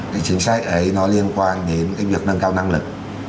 cái chính sách ấy nó liên quan đến cái việc nâng cao năng lực